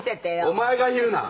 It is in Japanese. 「お前が言うな」